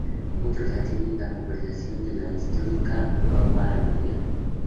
Otros atienden la conservación de la histórica abadía.